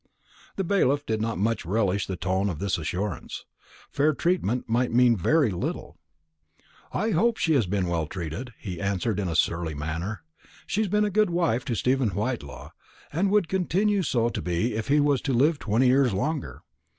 The bailiff did not much relish the tone of this assurance. Fair treatment might mean very little. "I hope she has been well treated," he answered in a surly manner. "She's been a good wife to Stephen Whitelaw, and would continue so to be if he was to live twenty years longer.